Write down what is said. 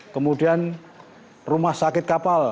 kemudian rumah sakit kapal